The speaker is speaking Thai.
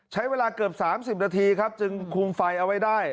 ใช้เวลาเกือบ๓๐นาทีครับจึงคุมไฟเอาไว้ได้